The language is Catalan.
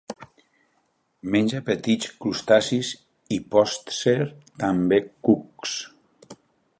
Menja petits crustacis i, potser també, cucs.